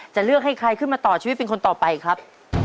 จะเลือกให้ใครขึ้นมาต่อชีวิตเป็นคนต่อไปครับ